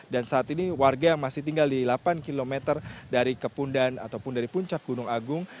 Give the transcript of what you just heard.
dan saat ini warga yang masih tinggal di delapan km dari kepundan ataupun dari puncak gunung agung